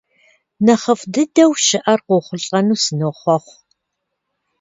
Нэхъыфӏ дыдэу щыӏэр къохъулӏэну сынохъуэхъу.